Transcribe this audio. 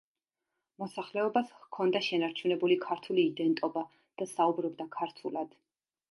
მოსახლეობას ჰქონდა შენარჩუნებული ქართული იდენტობა და საუბრობდა ქართულად.